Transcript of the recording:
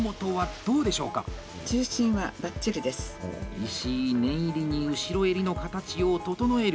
石井、念入りに後ろ襟の形を整える。